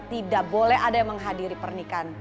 tidak boleh ada yang menghadiri pernikahan